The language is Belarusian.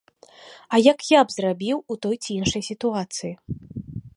А як я б зрабіў у той ці іншай сітуацыі?